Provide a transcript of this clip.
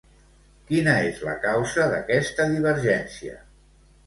Quina és la causa d'aquesta divergència?